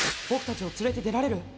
僕達を連れて出られる？